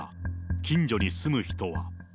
近所に住む人は。